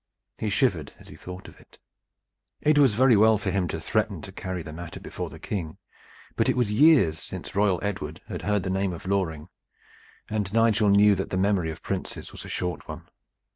He shivered as he thought of it. It was very well for him to threaten to carry the matter before the King, but it was years since royal Edward had heard the name of Loring, and Nigel knew that the memory of princes was a short one.